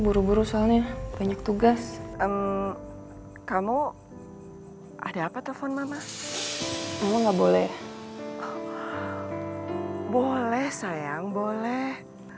buru buru soalnya banyak tugas kamu ada apa telpon mama nggak boleh boleh sayang boleh